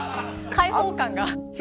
解放感が。